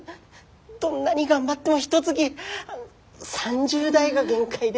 どんなに頑張ってもひとつき３０台が限界で。